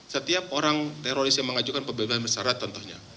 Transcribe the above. setiap orang teroris yang mengajukan pembebasan bersarat contohnya